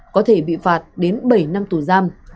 có thể bị phạt đến bảy năm tù giam